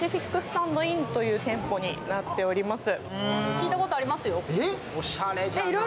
聞いたことありますよ。